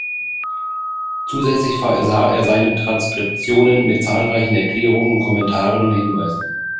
Zusätzlich versah er seine Transkriptionen mit zahlreichen Erklärungen, Kommentaren und Hinweisen.